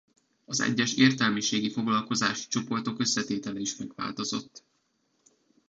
Az egyes értelmiségi foglalkozási csoportok összetétele is megváltozott.